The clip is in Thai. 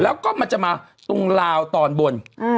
แล้วก็จะเข้าทางหัวแก่